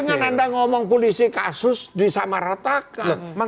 sama dengan anda ngomong polisi kasus disamaratakan